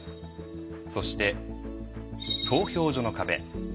そして投票所の壁。